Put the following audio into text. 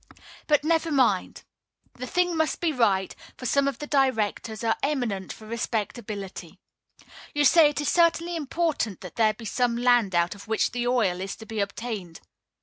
But never mind. The thing must be right, for some of the directors are eminent for respectability. You say it is certainly important that there be some land out of which the oil is to be obtained.